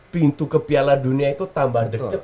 pintu ke piala dunia itu tambah deket